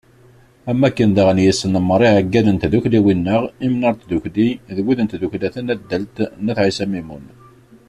Am wakken daɣen yesnemmer iɛeggalen n tdukkliwin-a Imnar n Tdukli d wid n tdukkla tanaddalt n wat Ɛisa Mimun.